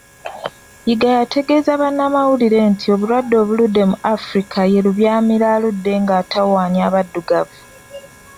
Yiga yategeeza bannamawulire nti obulwadde obuli mu Africa ye Lubyamira aludde ng'atawaanya abaddugavu.